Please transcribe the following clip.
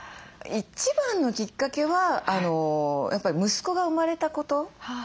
一番のきっかけはやっぱり息子が生まれたこと。